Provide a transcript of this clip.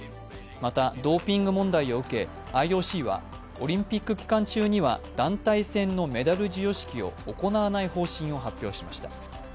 またドーピング問題を受け、ＩＯＣはオリンピック期間中には団体戦のメダル授与式を行わない方針を発表しました。